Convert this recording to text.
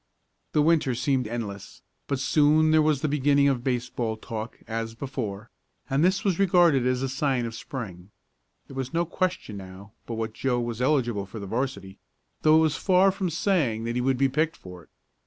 The Winter seemed endless, but soon there was the beginning of baseball talk, as before, and this was regarded as a sign of Spring. There was no question now but what Joe was eligible for the 'varsity, though that was far from saying that he would be picked for it.